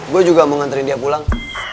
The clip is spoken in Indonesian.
gue juga mau nganterin dia pulang